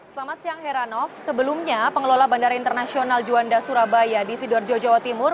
selamat siang heranov sebelumnya pengelola bandara internasional juanda surabaya di sidoarjo jawa timur